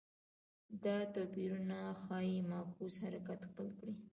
دا توپیرونه ښايي معکوس حرکت خپل کړي